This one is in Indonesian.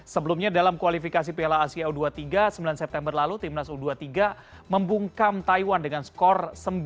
sebelumnya dalam kualifikasi piala asia u dua puluh tiga sembilan september lalu timnas u dua puluh tiga membungkam taiwan dengan skor sembilan